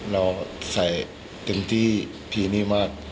แล้วใส่เต็มที่พีนี้มาก